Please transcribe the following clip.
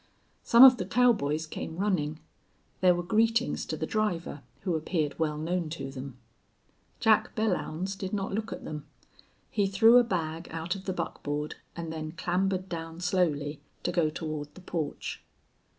Some of the cowboys came running. There were greetings to the driver, who appeared well known to them. Jack Belllounds did not look at them. He threw a bag out of the buckboard and then clambered down slowly, to go toward the porch.